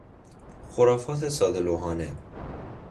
خرافات ساده لوحانه